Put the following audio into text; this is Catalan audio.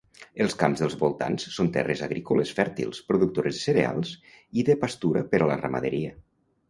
Els camps dels voltants són terres agrícoles fèrtils productores de cereals i de pastura per a la ramaderia.